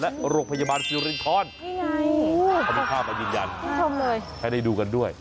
และโรคพยาบาลฟิลลินคอนเอาเป็นภาพยืนยันให้ได้ดูกันด้วย